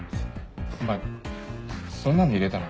お前そんなの入れたの？